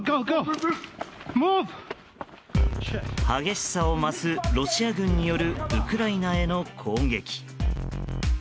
激しさを増す、ロシア軍によるウクライナへの攻撃。